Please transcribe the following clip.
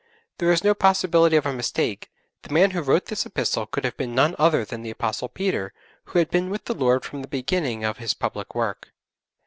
There is no possibility of a mistake; the man who wrote this Epistle could have been none other than the Apostle Peter who had been with the Lord from the beginning of His public work.